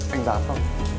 anh dám không